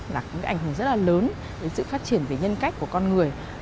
là có ảnh hưởng rất là lớn về sự phát triển về nhân cách của con người